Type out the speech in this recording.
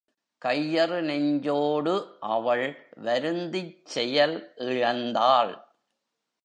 கையறு நெஞ்சோடு அவள் வருந்திச் செயல் இழந்தாள்.